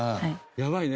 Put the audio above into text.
やばいね。